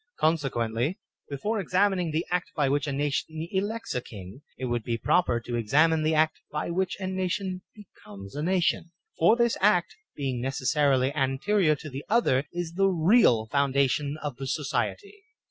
Consequently, before ex amining the act by which a nation elects a king, it would be proper to examine the act by which a nation becomes a nation; for this act, being necessarily anterior to the other, is the real foundation of the society.